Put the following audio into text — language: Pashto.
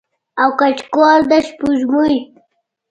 او کچکول د سپوږمۍ